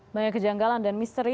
banyak kejanggalan dan misteri